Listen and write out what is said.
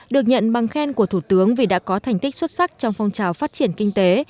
được nhận bằng khen của thủ tướng vì đã có thành tích xuất sắc trong phong trào phát triển kinh tế